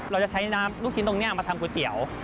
เราจะใช้น้ำลูกชิ้นตรงนี้มาทำก๋วยเตี๋ยว